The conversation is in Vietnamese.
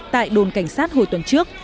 tại đồn cảnh sát hồi tuần trước